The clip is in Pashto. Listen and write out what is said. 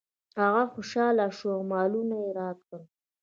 هغه خوشحاله شو او مالونه یې راکړل.